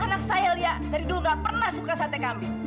anak saya lia dari dulu gak pernah suka sate kambing